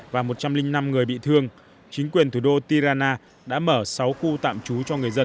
và một trăm linh năm người bị thương chính quyền thủ đô tirana đã mở sáu khu tạm trú cho người dân